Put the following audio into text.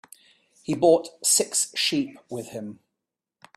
He brought six sheep with him.